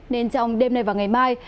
nên trong đêm nay và ngày mai